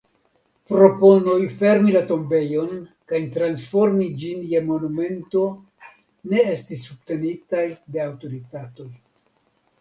Proponoj fermi la tombejon kaj transformi ĝin je monumento ne estis subtenitaj de aŭtoritatoj.